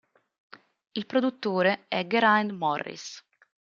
Il produttore è Geraint Morris.